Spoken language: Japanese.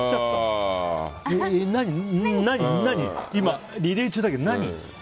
今、リレー中だけど何？って。